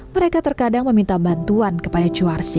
mereka terkadang meminta bantuan kepada cuar si